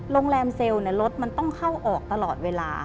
โรงแรมเซลล์รถมันต้องเข้าออกตลอดเวลา